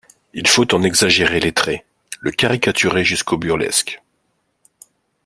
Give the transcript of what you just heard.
Il faut en exagérer les traits, le caricaturer jusqu’au burlesque.